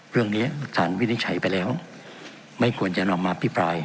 เรื่องนี้สารวินิจฉัยไปแล้วไม่ควรจะนำมาพิปราย